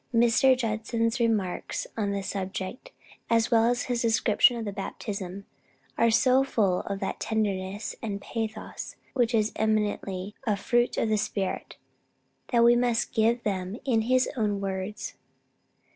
Mr. Judson's remarks on the subject, as well as his description of the baptism, are so full of that tenderness and pathos which is eminently a 'fruit of the Spirit,' that we must give them in his own words.